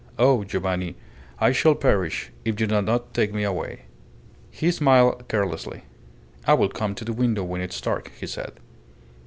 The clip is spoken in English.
Oh, Giovanni, I shall perish if you do not take me away." He smiled carelessly. "I will come to the window when it's dark," he said.